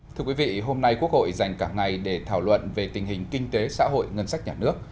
thưa quý vị hôm nay quốc hội dành cả ngày để thảo luận về tình hình kinh tế xã hội ngân sách nhà nước